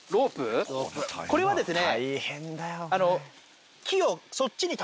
これはですね。